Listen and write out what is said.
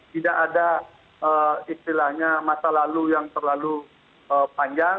tidak ada istilahnya masa lalu yang terlalu panjang